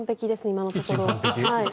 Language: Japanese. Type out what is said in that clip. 今のところ。